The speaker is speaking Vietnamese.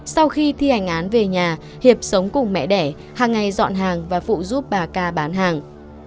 sau khi thi hành án về nhà hiệp sống cùng mẹ đẻ hàng ngày dọn hàng và phụ giúp bà ca bán hàng